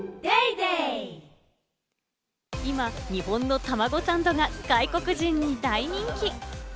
今、日本のたまごサンドが外国人に大人気。